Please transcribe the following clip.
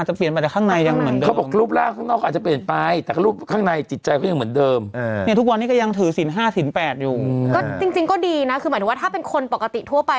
จริงก็ดีนะคือหมายถึงว่าถ้าเป็นคนปกติทั่วไป